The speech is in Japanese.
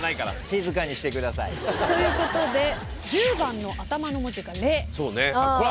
静かにしてください。ということで１０番の頭の文字が「れ